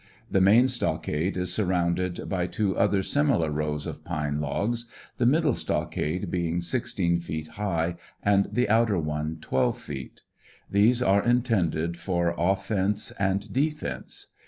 The main stockade is surrounded by two other similar rows of pine logs, the middle stockade being sixteen feet high, and the outer one twelve feet. These are intended for offense and defense.